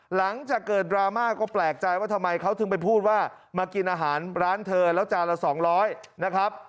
หลังจากเกิดดราม่าก็แปลกใจว่าทำไมเขาถึงไปพูดว่ามากินอาหารร้านเธอแล้วจานละ๒๐๐นะครับ